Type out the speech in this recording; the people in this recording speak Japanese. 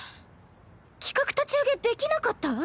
企画立ち上げできなかった⁉